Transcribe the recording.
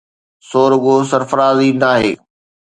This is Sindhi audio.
سو رڳو سرفراز ئي ناهي،